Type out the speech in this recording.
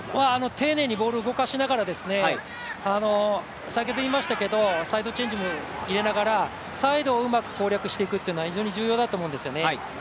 丁寧にボールを動かしながらサイドチェンジも入れながらサイドをうまく攻略していくっていうのは、非常に重要だと思うんですよね。